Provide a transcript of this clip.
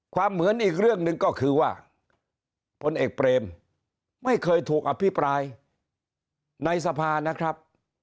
เหมือนอีกเรื่องหนึ่งก็คือว่าพลเอกเปรมไม่เคยถูกอภิปรายในสภานะครับ